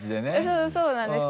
そうそうなんです。